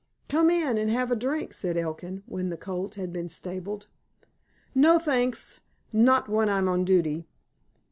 "Come in, and have a drink," said Elkin, when the colt had been stabled. "No, thanks—not when I'm on duty."